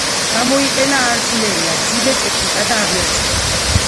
გამოიყენა არტილერია, მძიმე ტექნიკა და ავიაცია.